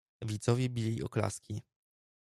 "Widzowie bili oklaski."